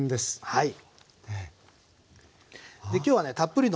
はい。